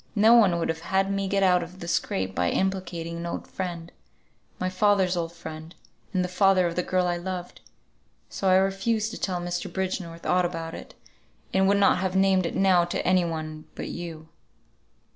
No one would have had me get out of the scrape by implicating an old friend, my father's old friend, and the father of the girl I loved. So I refused to tell Mr. Bridgenorth aught about it, and would not have named it now to any one but you."